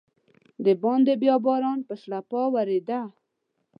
دباندې بیا باران په شړپا ورېده.